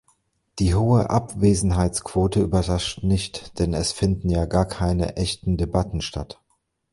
Die hohe Abwesenheitsquote überrascht nicht, denn es finden ja gar keine echten Debatten statt.